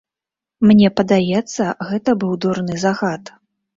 Мне падаецца, гэта быў дурны загад.